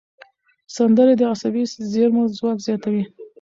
سندرې د عصبي زېرمو ځواک زیاتوي.